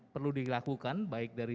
perlu dilakukan baik dari